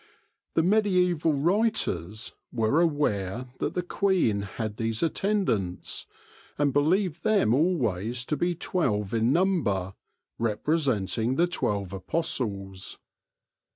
The mediaeval writers were aware that the queen had these attendants, and believed them always to be twelve in number, representing the twelve apostles.